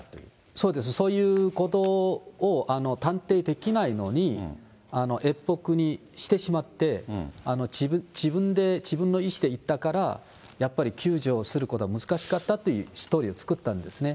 そうです、そういうことを断定できないのに、越北にしてしまって、自分で、自分の意思で行ったから、やっぱり救助することは難しかったというストーリーを作ったんですね。